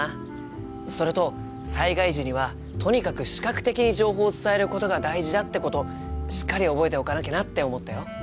それと災害時にはとにかく視覚的に情報を伝えることが大事だってことしっかり覚えておかなきゃなって思ったよ。